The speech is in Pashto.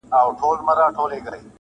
په دې ښار کي زه حاکم یمه سلطان یم،